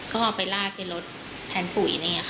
ก็เอาไปรากไปลดแผนปุ๋ย